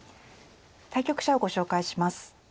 対局者をご紹介します。